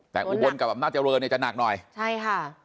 แต่อุบลกับอำนาจเจริญเนี่ยจะหนักหน่อยใช่ค่ะ